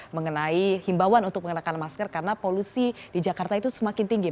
mengenai himbawan untuk mengenakan masker karena polusi di jakarta itu semakin tinggi